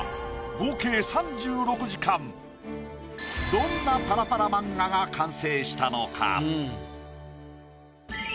どんなパラパラ漫画が完成したのか？